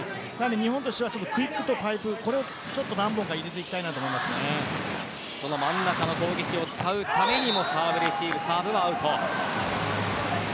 日本としてはクイックとパイプを何本か入れていきたいと真ん中の砲撃を使うためにもサーブレシーブサーブはアウト。